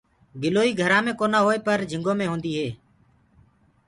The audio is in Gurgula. گِلوئي گهرآنٚ مي ڪونآ هوئي پر جھِنگو مي هوندي هونٚ۔